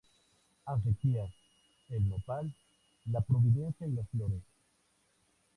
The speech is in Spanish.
Acequias: El Nopal, La Providencia y Las Flores.